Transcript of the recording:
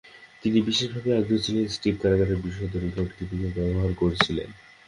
তিনি বিশেষভাবে আগ্রহী ছিলেন, স্টিভ কারাগারের বিশদ রেকর্ডকিপিং ব্যবহার করেছিলেন।